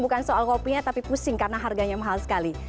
bukan soal kopinya tapi pusing karena harganya mahal sekali